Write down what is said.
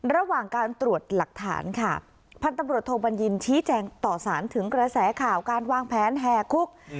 ระหว่างการตรวจหลักฐานค่ะพันธุ์ตำรวจโทบัญญินชี้แจงต่อสารถึงกระแสข่าวการวางแผนแห่คุก